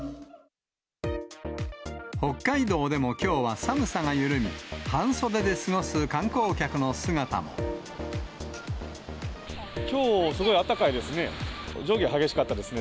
北海道でもきょうは寒さが緩み、きょう、すごいあったかいですね。